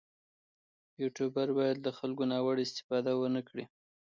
یوټوبر باید له خلکو ناوړه استفاده ونه کړي.